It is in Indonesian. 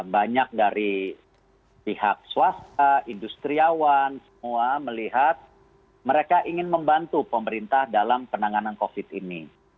banyak dari pihak swasta industriawan semua melihat mereka ingin membantu pemerintah dalam penanganan covid ini